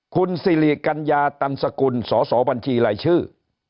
คุณสิริกัญญาตันสกุลสอสอบัญชีรายชื่อ